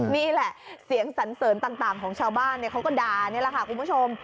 นี่แหละเสียงสันเสริญต่างของชาวบ้านเขาก็ด่านี่แหละค่ะคุณผู้ชม